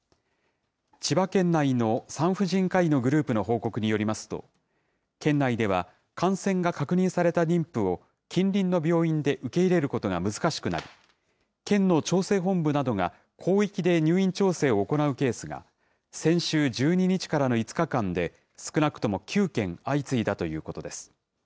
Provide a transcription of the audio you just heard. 千葉県内の産婦人科医のグループの報告によりますと、県内では感染が確認された妊婦を近隣の病院で受け入れることが難しくなり、県の調整本部などが広域で入院調整を行うケースが、先週１２日からの５日間で少なくとも９件相次いだということです。